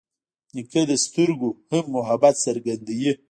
نیکه د سترګو نه هم محبت څرګندوي.